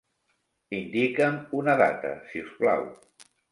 Indica'm una data, si us plau.